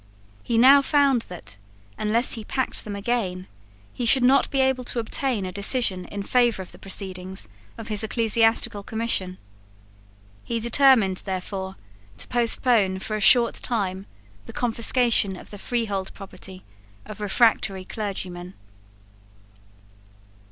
He now found that, unless he packed them again, he should not be able to obtain a decision in favour of the proceedings of his Ecclesiastical Commission. He determined, therefore, to postpone for a short time the confiscation of the freehold property of refractory clergymen.